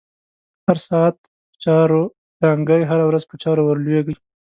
هر ساعت په چاور دانگی، هره ورځ په چا ورلویږی